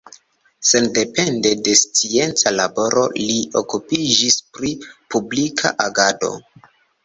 Sendepende de scienca laboro li okupiĝis pri publika agado.